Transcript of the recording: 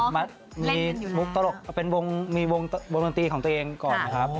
มีมุกตลกมีวงดนตรีของตัวเองก่อนครับ